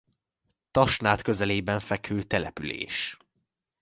Tasnád közelében fekvő település.